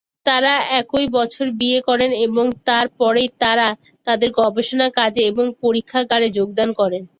তারা একই বছর বিয়ে করেন এবং তার পরেই তাঁরা তাদের গবেষণা কাজে এবং পরীক্ষাগারে যোগদান করেন।